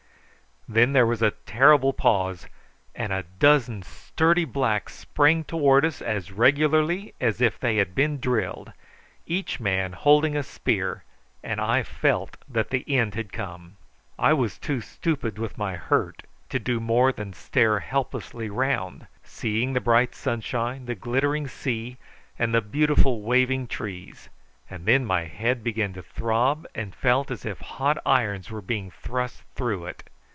Then there was a terrible pause, and a dozen sturdy blacks sprang towards us as regularly as if they had been drilled, each man holding a spear, and I felt that the end had come. I was too stupid with my hurt to do more than stare helplessly round, seeing the bright sunshine, the glittering sea, and the beautiful waving trees. Then my head began to throb, and felt as if hot irons were being thrust through it.